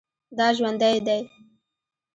دا ژوندی دی